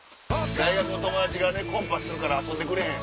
大学の友達がねコンパするから遊んでくれへん。